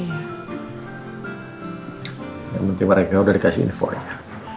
yang penting mereka udah dikasih info aja